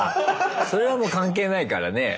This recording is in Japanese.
それはもう関係ないからね